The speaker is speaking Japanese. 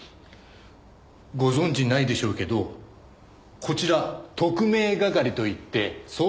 ご存じないでしょうけどこちら特命係といって捜査権のない窓際部署で。